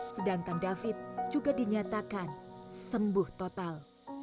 sedangkan david juga dinyatakan sembuh total